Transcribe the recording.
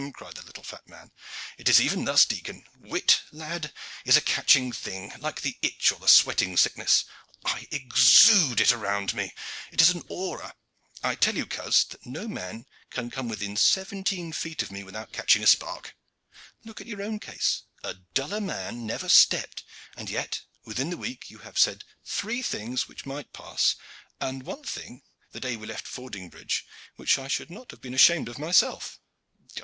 cried the little fat man. "It is even thus, Dicon! Wit, lad, is a catching thing, like the itch or the sweating sickness. I exude it round me; it is an aura. I tell you, coz, that no man can come within seventeen feet of me without catching a spark. Look at your own case. A duller man never stepped, and yet within the week you have said three things which might pass, and one thing the day we left Fordingbridge which I should not have been ashamed of myself."